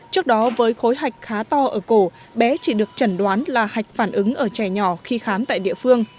trước đó với khối hạch khá to ở cổ bé chỉ được chẩn đoán là hạch phản ứng ở trẻ nhỏ khi khám tại địa phương